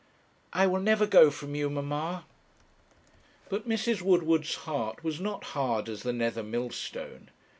'I will never go from you, mamma.' But Mrs. Woodward's heart was not hard as the nether millstone.